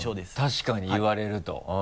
確かに言われるとうん。